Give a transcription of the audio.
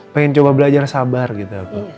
pengen coba belajar sabar gitu